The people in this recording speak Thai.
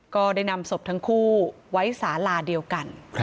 ก็ได้นำศพทั้งคู่ไว้สาลาเดียวกัน